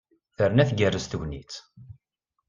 Terna tgerrez tegnit!